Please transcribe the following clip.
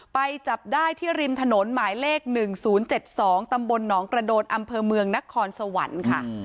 ไปจับได้ที่ริมถนนหมายเลข๑๐๗๒ตำบลหนองกระโดนอำเภอเมืองนครสวรรค์ค่ะ